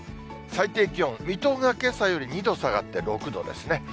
最低気温、水戸がけさより２度下がって６度ですね。